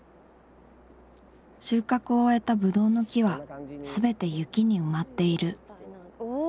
収穫を終えたブドウの木はすべて雪に埋まっているおお。